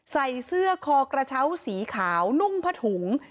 ใส่เสื้อคอกระเช้าสีขาวนุ่งผ้าถุง